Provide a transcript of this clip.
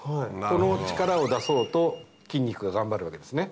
この力を出そうと筋肉が頑張るわけですね。